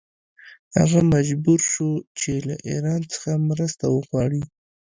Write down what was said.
هغه مجبور شو چې له ایران څخه مرسته وغواړي.